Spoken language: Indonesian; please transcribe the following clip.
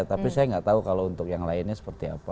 tapi saya nggak tahu kalau untuk yang lainnya seperti apa